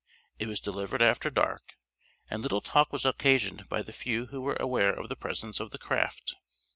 It was delivered after dark, and little talk was occasioned by the few who were aware of the presence of the craft.